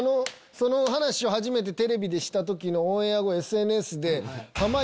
その話を初めてテレビでした時のオンエア後ＳＮＳで。